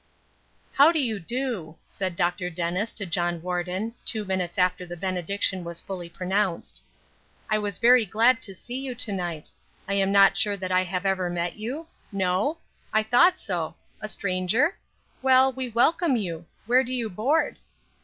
"How do you do," said Dr. Dennis to John Warden, two minutes after the benediction was fully pronounced. "I was very glad to see you to night. I am not sure that I have ever met you? No? I thought so; a stranger? Well, we welcome you. Where do you board?"